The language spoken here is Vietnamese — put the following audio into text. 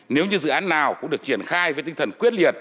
nếu như dự án nào cũng được triển khai với tinh thần quyết liệt